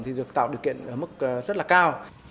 thì được tạo điều kiện ở mức rất là cao